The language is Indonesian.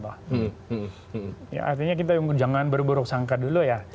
artinya kita jangan berburuk sangka dulu ya